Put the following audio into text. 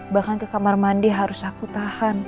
bahkan ke kamar mandi harus aku tahan